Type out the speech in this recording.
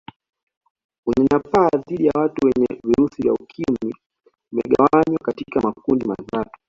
Unyanyapaa dhidi ya watu wenye virusi vya Ukimwi umegawanywa katika makundi matatu